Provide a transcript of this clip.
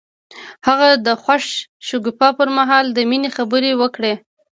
هغه د خوښ شګوفه پر مهال د مینې خبرې وکړې.